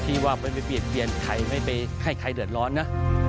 ที่ว่าไม่มีเปลี่ยนใครไม่ไปให้ใครเดือดร้อนนะ